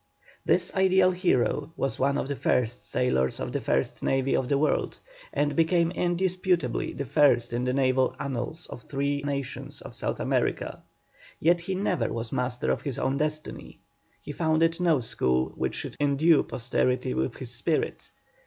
This ideal hero was one of the first sailors of the first navy of the world, and became indisputably the first in the naval annals of three Nations of South America, yet he never was master of his own destiny, he founded no school which should endue posterity with his spirit.